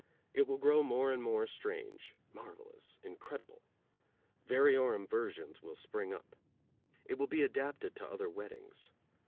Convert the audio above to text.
It will grow more and more strange, marvelous, incredible. Variorum versions will spring up. It will be adapted to other weddings.